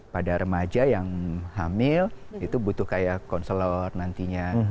pada remaja yang hamil itu butuh kayak konselor nantinya